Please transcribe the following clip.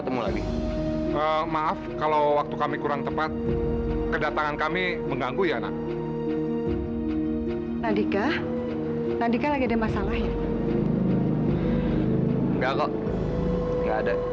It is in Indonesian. harus berhubungan dengan orang yang begitu pejat ya tuhan